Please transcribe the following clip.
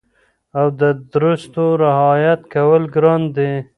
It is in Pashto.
او د درستو رعایت کول ګران دي